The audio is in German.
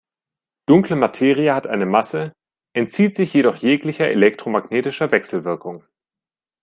Dunkle Materie hat eine Masse, entzieht sich jedoch jeglicher elektromagnetischer Wechselwirkung.